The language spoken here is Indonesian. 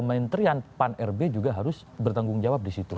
kementerian pan rb juga harus bertanggung jawab di situ